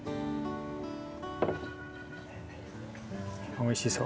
おいしそう。